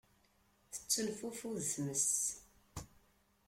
Tettenfufud tmes.